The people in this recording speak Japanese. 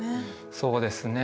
そうですね。